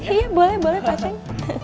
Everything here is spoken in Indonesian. iya boleh boleh pak ceng